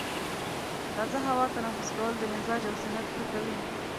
تازه هوا تنفس کول د مزاج او صحت ښه کوي.